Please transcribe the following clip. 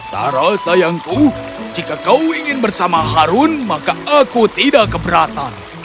taro sayangku jika kau ingin bersama harun maka aku tidak keberatan